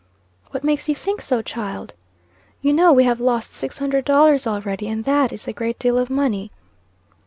"What makes you think so, child?" "You know we have lost six hundred dollars already, and that is a great deal of money."